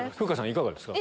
いかがですか？